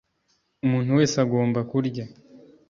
umuntu wese agomba kurya